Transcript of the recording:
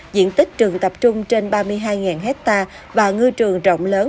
diện tích rừng tập trung trên ba mươi hai hectare và ngư trường rộng lớn